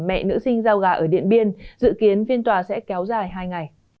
mẹ nữ sinh giao gà ở điện biên dự kiến phiên tòa sẽ kéo dài hai ngày